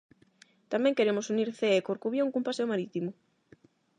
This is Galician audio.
Tamén queremos unir Cee e Corcubión cun paseo marítimo.